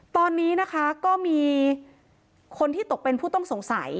ตอนนี้นะคะก็มีคนที่ตกเป็นผู้ต้องสงสัย